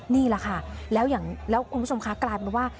นี่แหละค่ะแล้วคุณผู้ชมค่ะกลายเป็นว่า